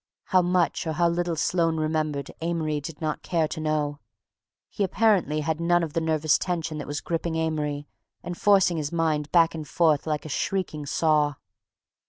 How much or how little Sloane remembered Amory did not care to know; he apparently had none of the nervous tension that was gripping Amory and forcing his mind back and forth like a shrieking saw.